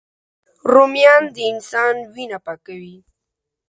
رومیان د انسان وینه پاکوي